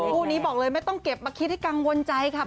คู่นี้บอกเลยไม่ต้องเก็บมาคิดให้กังวลใจค่ะ